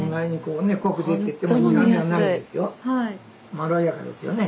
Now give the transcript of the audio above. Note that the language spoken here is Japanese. まろやかですよね。